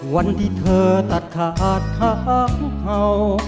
วันที่เธอตัดขาดข้างเขา